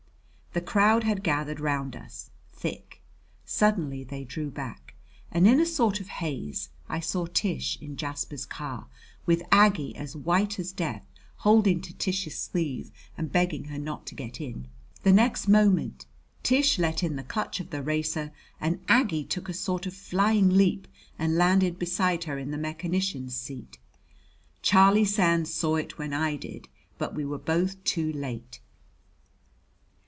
The crowd had gathered round us, thick. Suddenly they drew back, and in a sort of haze I saw Tish in Jasper's car, with Aggie, as white as death, holding to Tish's sleeve and begging her not to get in. The next moment Tish let in the clutch of the racer and Aggie took a sort of flying leap and landed beside her in the mechanician's seat. Charlie Sands saw it when I did, but we were both too late.